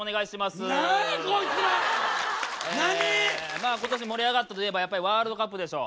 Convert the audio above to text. まあ今年盛り上がったといえばやっぱりワールドカップでしょう。